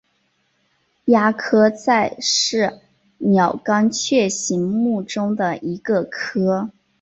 鸦科在是鸟纲雀形目中的一个科。